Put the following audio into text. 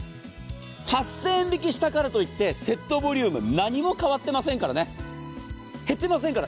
８０００円引きしたからといってセットボリューム何も変わってませんから、減ってませんから。